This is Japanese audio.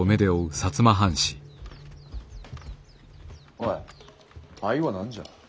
おいあいは何じゃ？